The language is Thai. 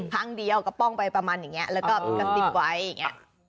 ครั้งเดียวก็ป้องไปประมาณอย่างนี้แล้วก็กระซิบไว้อย่างนี้